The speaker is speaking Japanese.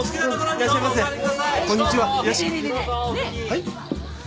はい？